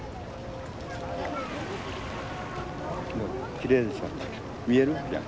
きれいでしょ見える？